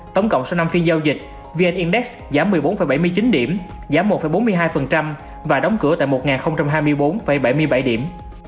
tổng cộng sau năm phiên giao dịch vn index giảm một mươi bốn bảy mươi chín điểm giảm một bốn mươi hai và đóng cửa tại một hai mươi bốn bảy mươi bảy điểm